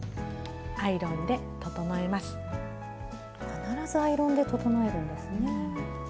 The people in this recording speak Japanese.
必ずアイロンで整えるんですね。